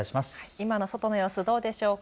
今の外の様子、どうでしょうか。